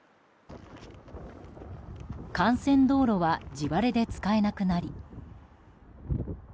幹線道路は地割れで使えなくなり。